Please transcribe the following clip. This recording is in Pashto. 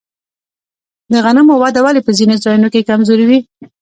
د غنمو وده ولې په ځینو ځایونو کې کمزورې وي؟